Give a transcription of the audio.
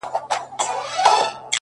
o په يبلو پښو روان سو.